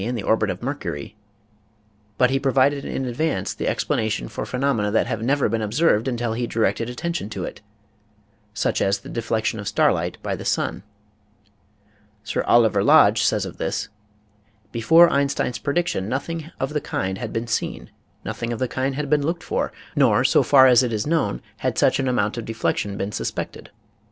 MATHEMATICAL MINDS 87 the orbit of Mercury) but he provided in advance the explanation for phenomena that had never been ob served until he directed attention to it (such as the deflection of starlight by the sun). Sir Oliver Lodge says of this :*" Before Einstein's prediction nothing of the kind had been seen, nothing of the kind had been looked for, nor, so far as it is known, had such an amount of deflection been suspected.